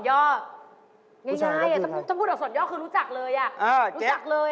ง่ายจะพูดอักษรย่อคือรู้จักเลย